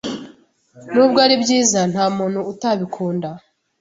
Nubwo ari byiza nta muntu utabikunda,